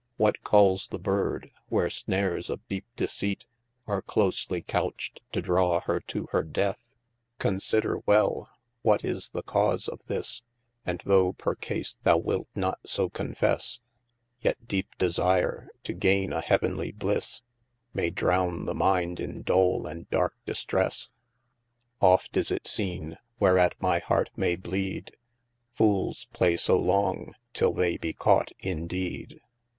What calles the bird, where snares of deepe deceit Are closely coucht to draw hir to hir death? 388 OF MASTER F. J. Consider well, what is the cause of this, And though percase thou wilt not so confesse, Yet deepe desire, to gayne a heavenly blisse, May drowne the minde in dole and darke distresse : Oft is it seene (whereat my hart may bleede) Fooles play so long till they be caught in deede.